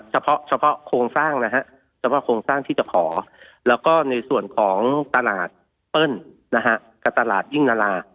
เฉพาะโครงสร้างที่จะขอแล้วก็ในส่วนของตลาดเปิ้ลกับตลาดยิ่งนรา